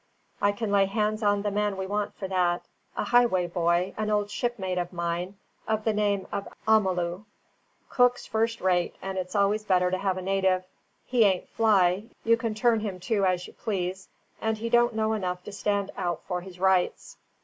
I can lay hands on the man we want for that: a Highway boy, an old shipmate of mine, of the name of Amalu. Cooks first rate, and it's always better to have a native; he aint fly, you can turn him to as you please, and he don't know enough to stand out for his rights."